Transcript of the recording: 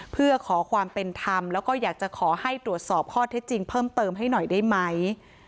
เพื่อขอความเป็นธรรมแล้วก็อยากจะขอให้ตรวจสอบข้อเท็จจริงเพิ่มเติมให้หน่อยได้ไหม